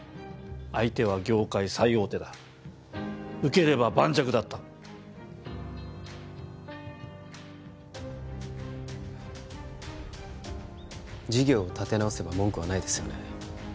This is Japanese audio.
相手は業界最大手だ受ければ盤石だった事業を立て直せば文句はないですよね？